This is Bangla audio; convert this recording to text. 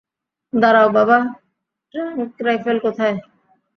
দাঁড়াও বাবা, ট্রাঙ্ক রাইফেল কোথায়?